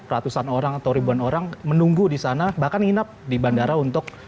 ratusan orang atau ribuan orang menunggu di sana bahkan nginap di bandara untuk